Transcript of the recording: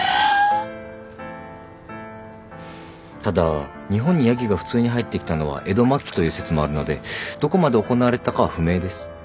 ただ日本にヤギが普通に入ってきたのは江戸末期という説もあるのでどこまで行われてたかは不明です。